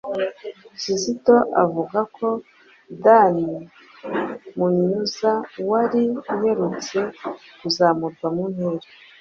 Kizito avuga ko Dan Munyuza wari uherutse kuzamurwa mu ntera